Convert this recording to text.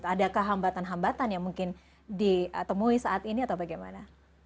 adakah hambatan hambatan yang mungkin ditemui saat ini atau bagaimana